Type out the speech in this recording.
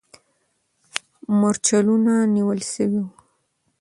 مرچلونه نیول سوي وو.